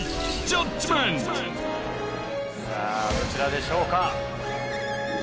さぁどちらでしょうか。